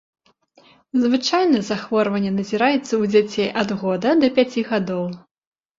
Звычайна захворванне назіраецца ў дзяцей ад года да пяці гадоў.